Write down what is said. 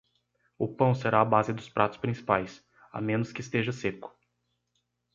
O pão será a base dos pratos principais, a menos que esteja seco.